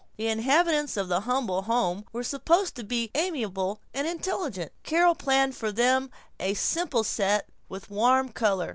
The inhabitants of the Humble Home were supposed to be amiable and intelligent. Carol planned for them a simple set with warm color.